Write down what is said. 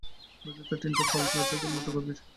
নদীটা তিনটা তাল গাছের মতো গভীর।